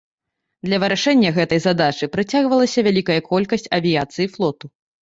Да вырашэння гэтай задачы прыцягвалася вялікая колькасць авіяцыі флоту.